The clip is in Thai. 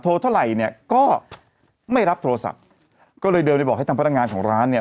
เท่าไหร่เนี่ยก็ไม่รับโทรศัพท์ก็เลยเดินไปบอกให้ทางพนักงานของร้านเนี่ย